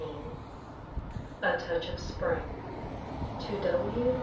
XV A TOUCH OF SPRING [_To W.